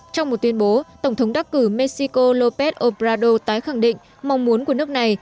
trong một tuyên bố tổng thống đắc cử mexico lópez obrador tái khẳng định mong muốn của nước này